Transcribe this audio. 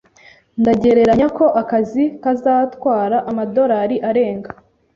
Ndagereranya ko akazi kazatwara amadolari arenga